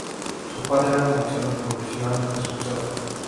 Su padre era un boxeador profesional de peso pesado.